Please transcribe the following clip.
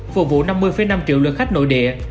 phục vụ năm mươi năm triệu lượt khách nội địa